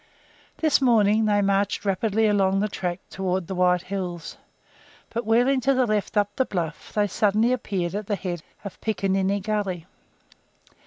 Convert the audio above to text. This morning they marched rapidly along the track towards the White Hills, but wheeling to the left up the bluff they suddenly appeared at the head of Picaninny Gully.